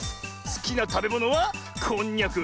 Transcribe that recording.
すきなたべものはこんにゃく。